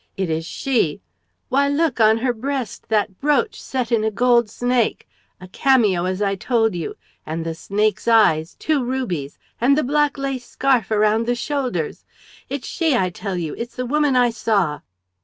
It is she ... why, look, on her breast, that brooch set in a gold snake! ... a cameo, as I told you, and the snake's eyes ... two rubies! ... and the black lace scarf around the shoulders! It's she, I tell you, it's the woman I saw!"